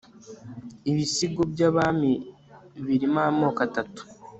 ibisigo nyabami birimo amoko atatu